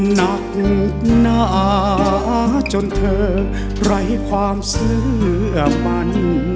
หนักหนาจนเธอไร้ความเชื่อมัน